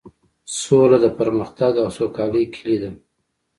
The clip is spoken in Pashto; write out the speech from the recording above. سوله د پرمختګ او سوکالۍ کیلي ده.